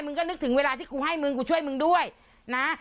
ก็นึกถึงเวลาที่กูให้มึงกูช่วยมึงด้วยนะ